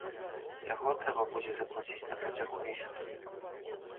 Яго трэба будзе заплаціць на працягу месяца.